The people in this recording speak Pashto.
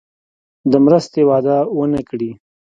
د مرستې وعده ونه کړي.